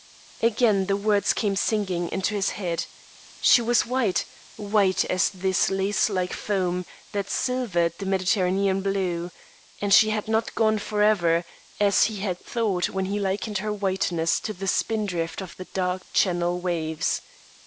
Again the words came singing into his head. She was white white as this lacelike foam that silvered the Mediterranean blue; but she had not gone forever, as he had thought when he likened her whiteness to the spindrift on the dark Channel waves.